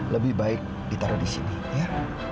lebih baik ditaruh di sini ya